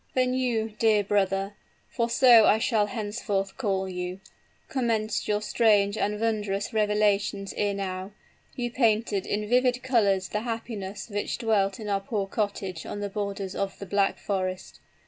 "When you, dear brother for so I shall henceforth call you commenced your strange and wondrous revelations ere now, you painted in vivid colors the happiness which dwelt in our poor cottage on the borders of the Black Forest.